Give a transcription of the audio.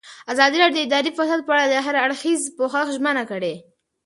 ازادي راډیو د اداري فساد په اړه د هر اړخیز پوښښ ژمنه کړې.